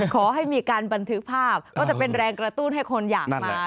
ขอให้มีการบันทึกภาพก็จะเป็นแรงกระตุ้นให้คนอยากมา